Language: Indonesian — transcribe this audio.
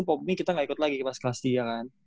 popmi kita gak ikut lagi pas kelas tiga kan